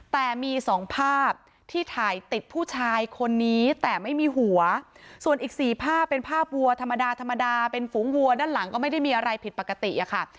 แต่มีสองภาพที่ถ่ายติดผู้ชายคนนี้แต่ไม่มีหัวส่วนอีก๔ภาพเป็นภาพวัวธรรมดาธรรมดาเป็นฝูงวัวด้านหลังก็ไม่ได้มีอะไรผิดปกติอะค่ะ